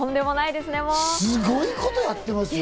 すごいことやってますよ。